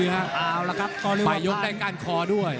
เอาละครับไปยกได้กันคอด้วย